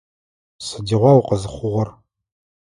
Сыдигъуа укъызыхъугъэр?